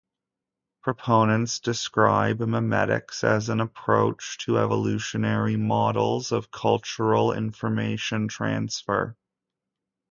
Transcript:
Proponents describe memetics as an approach to evolutionary models of cultural information transfer.